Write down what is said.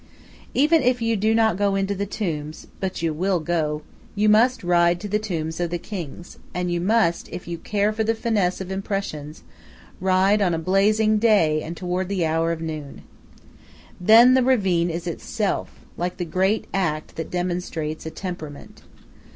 Even if you do not go into the tombs but you will go you must ride to the tombs of the kings; and you must, if you care for the finesse of impressions, ride on a blazing day and toward the hour of noon. Then the ravine is itself, like the great act that demonstrates a temperament.